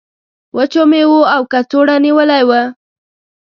وچو میوو او کڅوړو نیولی و.